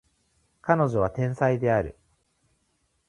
彼女は天才である